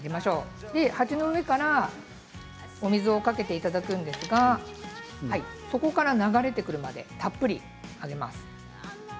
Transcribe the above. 鉢の上からお水をかけていただくんですが底から流れてくるまでたっぷりあげます。